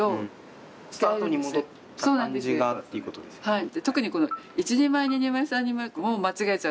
はい。